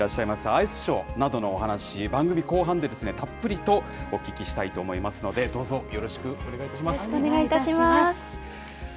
アイスショーなどのお話、番組後半でたっぷりとお聞きしたいと思いますので、どうぞ、よろしくお願いいたします。